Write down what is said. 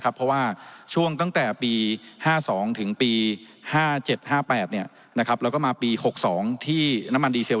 เพราะว่าช่วงตั้งแต่ปี๕๒ถึงปี๕๗๕๘แล้วก็มาปี๖๒ที่น้ำมันดีเซล